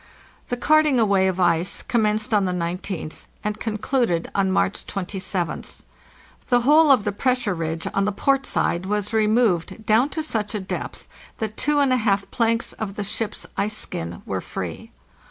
The carting away of ice commenced on the 19th and con cluded on March 27th. The whole of the pressure ridge on the port side was removed down to such a depth that two and a half planks of the ship's ice skin were free.